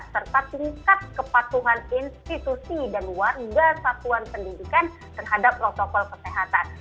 serta tingkat kepatuhan institusi dan warga satuan pendidikan terhadap protokol kesehatan